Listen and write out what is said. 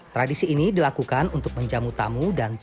tradisi ini dilakukan untuk menjamu tamu dan jemput